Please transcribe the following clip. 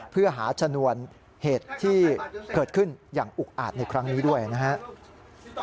เพื่อหาชนวนเหตุที่เกิดขึ้นอย่างอุกอาจในครั้งนี้ด้วยนะครับ